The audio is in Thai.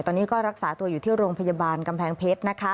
ตอนนี้ก็รักษาตัวอยู่ที่โรงพยาบาลกำแพงเพชรนะคะ